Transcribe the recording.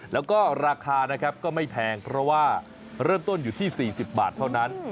แล้วก็ราคานะครับก็ไม่แพงเพราะว่าเริ่มต้นอยู่ที่๔๐บาทเท่านั้น